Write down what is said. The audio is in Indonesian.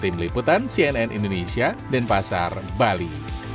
tim liputan cnn indonesia dan pasar bali